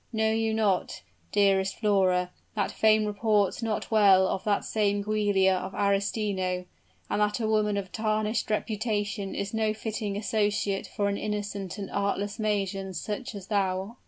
Know you not, dearest Flora, that fame reports not well of that same Giulia of Arestino and that a woman of tarnished reputation is no fitting associate for an innocent and artless maiden such as thou?"